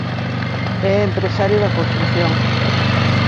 É empresario da construción.